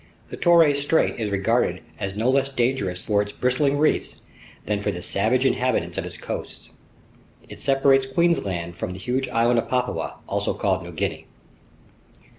The Torres Strait is regarded as no less dangerous for its bristling reefs than for the savage inhabitants of its coasts. It separates Queensland from the huge island of Papua, also called New Guinea.